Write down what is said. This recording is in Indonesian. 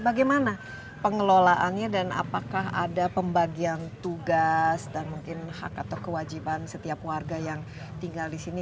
bagaimana pengelolaannya dan apakah ada pembagian tugas dan mungkin hak atau kewajiban setiap warga yang tinggal di sini